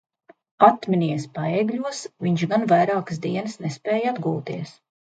Atminies Paegļos, viņš gan vairākas dienas nespēj atgūties.